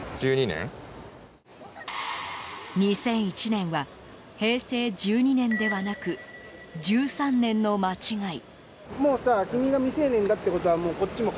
２００１年は平成１２年ではなく１３年の間違い。